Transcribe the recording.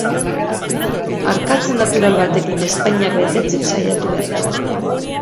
Arkatz natural batekin ezpainak betetzen saiatu behar gara.